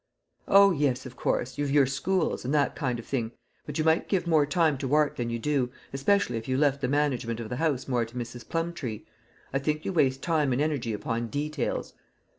"O, yes, of course; you've your schools, and that kind of thing; but you might give more time to art than you do, especially if you left the management of the house more to Mrs. Plumptree. I think you waste time and energy upon details."